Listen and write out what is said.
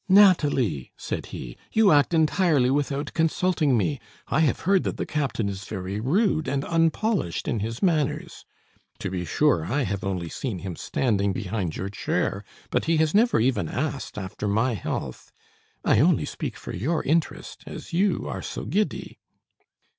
"Nathalie," said he, "you act entirely without consulting me. I have heard that the captain is very rude and unpolished in his manners. To be sure, I have only seen him standing behind your chair; but he has never even asked after my health. I only speak for your interest, as you are so giddy."